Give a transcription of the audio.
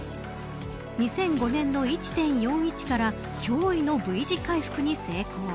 ２００５年の１．４１から驚異のＶ字回復に成功。